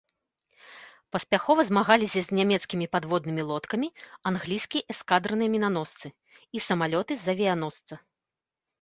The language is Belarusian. Паспяхова змагаліся з нямецкімі падводнымі лодкамі англійскія эскадраныя мінаносцы, і самалёты з авіяносца.